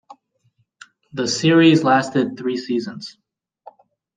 The series lasted three seasons.